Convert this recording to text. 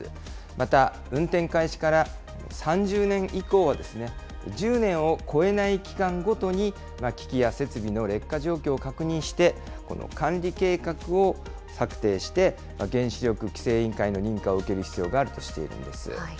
また、運転開始から３０年以降は、１０年を超えない期間ごとに、機器や設備の劣化状況を確認して、この管理計画を策定して、原子力規制委員会の認可を受ける必要があるとしているんです。